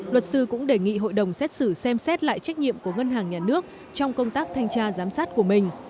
luật sư cũng đề nghị hội đồng xét xử xem xét lại trách nhiệm của ngân hàng nhà nước trong công tác thanh tra giám sát của mình